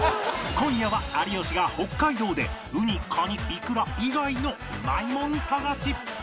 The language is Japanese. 今夜は有吉が北海道でウニ・カニ・いくら以外の美味いもん探し